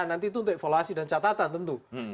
nanti itu untuk evaluasi dan catatan tentu